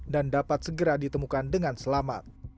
dan dapat segera ditemukan dengan selamat